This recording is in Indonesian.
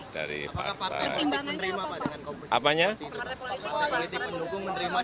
partai politik mendukung menerima dengan komposisi seperti itu